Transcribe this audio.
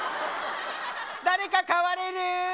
誰か代われる。